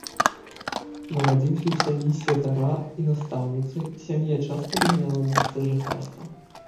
Нарадзіўся ў сям'і святара і настаўніцы, сям'я часта мяняла месцы жыхарства.